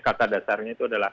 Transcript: kata dasarnya itu adalah